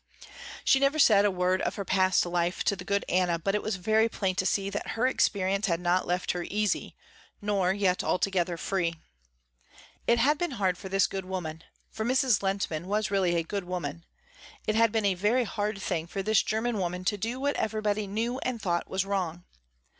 She never said a word of her past life to the good Anna, but it was very plain to see that her experience had not left her easy, nor yet altogether free. It had been hard for this good woman, for Mrs. Lehntman was really a good woman, it had been a very hard thing for this german woman to do what everybody knew and thought was wrong.